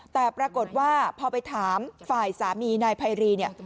แต่ปรากฏว่าพอไปถามฝ่ายสามีนายไพรีเนี่ย